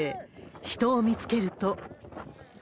人を見つけると。